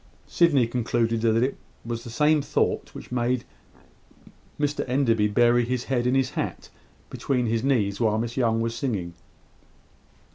Sydney concluded that it was the same thought which made Mr Enderby bury his head in his hat between his knees while Miss Young was singing.